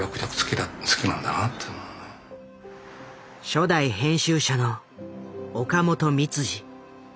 初代編集者の岡本三司。